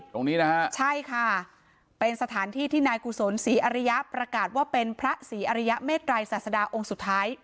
ตรงนี้นะฮะใช่ค่ะเป็นสถานที่ที่นายกุศลศรีอริยะประกาศว่าเป็นพระศรีอริยเมตรัยศาสดาองค์สุดท้าย